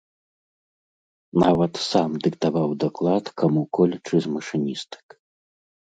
Нават сам дыктаваў даклад каму-колечы з машыністак.